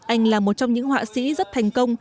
anh là một trong những họa sĩ rất thành công